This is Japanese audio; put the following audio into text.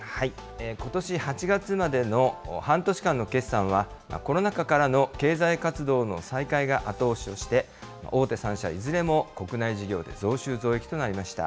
ことし８月までの半年間の決算は、コロナ禍からの経済活動の再開が後押しをして、大手３社、いずれも国内事業で増収増益となりました。